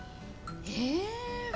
え！